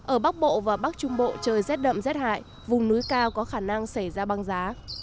ở bắc bộ và bắc trung bộ trời rét đậm rét hại vùng núi cao có khả năng xảy ra băng giá